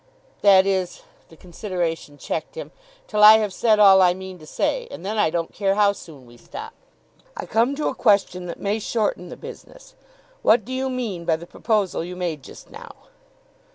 That is,' the consideration checked him, 'till I have said all I mean to say, and then I don't care how soon we stop. I come to a question that may shorten the business. What do you mean by the proposal you made just now?